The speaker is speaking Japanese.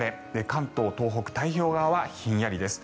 関東、東北の太平洋側はひんやりです。